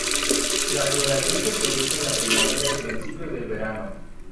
La floración se produce en la primavera y principios del verano.